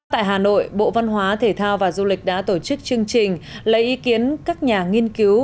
tại hà nội bộ văn hóa thể thao và du lịch đã tổ chức chương trình lấy ý kiến các nhà nghiên cứu